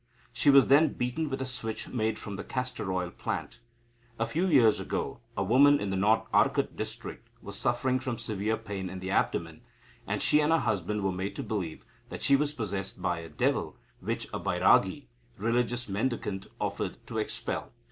She was then beaten with a switch made from the castor oil plant. A few years ago, a woman in the North Arcot district was suffering from severe pain in the abdomen, and she and her husband were made to believe that she was possessed by a devil, which a Bairagi (religious mendicant) offered to expel.